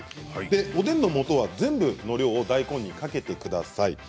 おでんのもとは全部の量を大根にかけてください。